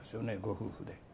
ご夫婦で。